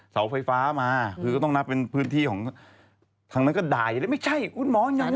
ไม่ใช่คุณหมออย่างนั้นอย่างนี้ทางนั้นนั่นนั่นนั่น